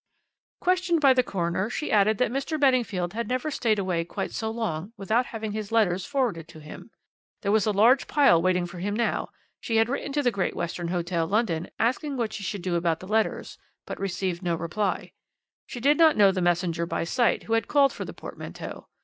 "Questioned by the coroner, she added that Mr. Beddingfield had never stayed away quite so long without having his letters forwarded to him. There was a large pile waiting for him now; she had written to the Great Western Hotel, London, asking what she should do about the letters, but had received no reply. She did not know the messenger by sight who had called for the portmanteau.